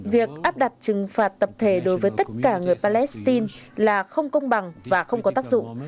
việc áp đặt trừng phạt tập thể đối với tất cả người palestine là không công bằng và không có tác dụng